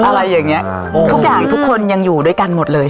อะไรอย่างเงี้ยทุกอย่างทุกคนยังอยู่ด้วยกันหมดเลย